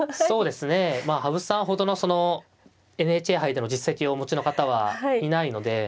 そうですねまあ羽生さんほどのそのＮＨＫ杯での実績をお持ちの方はいないので。